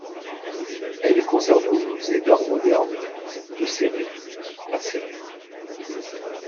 Elle est conservée au musée d'art moderne de Céret, à Céret.